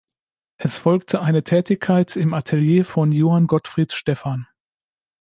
Es folgte eine Tätigkeit im Atelier von Johann Gottfried Steffan.